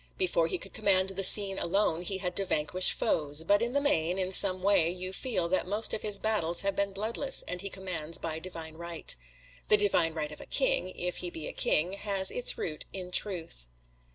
Before he could command the scene alone, he had to vanquish foes; but in the main, in some way, you feel that most of his battles have been bloodless and he commands by divine right. The Divine Right of a King, if he be a King, has its root in truth.